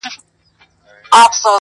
نور مي له سترگو څه خوبونه مړه سول.